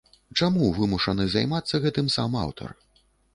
Чаму вымушаны займацца гэтым сам аўтар?